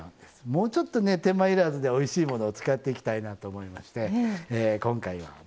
もうちょっとね手間要らずでおいしいものを使っていきたいなと思いまして今回はめんつゆですね